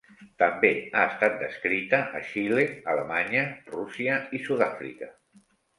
També ha estat descrita a Xile, Alemanya, Rússia i Sud-àfrica.